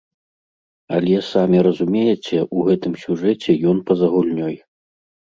Але, самі разумееце, у гэтым сюжэце ён па-за гульнёй.